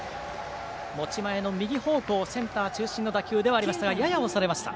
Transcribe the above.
持ち前の右方向、センター中心の打球ではありましたがやや押されました。